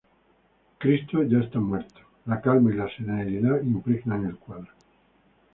Cristo está ya muerto; la calma y la serenidad impregnan el cuadro.